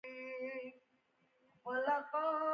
د ادې اوښکې روانې سوې.